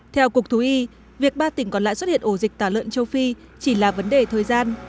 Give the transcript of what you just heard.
theo cục thú y việc ba tỉnh còn lại xuất hiện ổ dịch tả lợn châu phi chỉ là vấn đề thời gian